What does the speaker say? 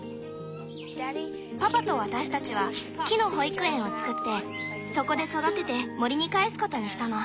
パパと私たちは木の保育園をつくってそこで育てて森に帰すことにしたの。